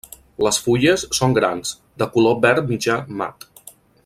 Les fulles són grans, de color verd mitjà mat.